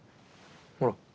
ほら。